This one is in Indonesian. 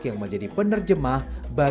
yang menjadi penerjemah dan penerjemah desa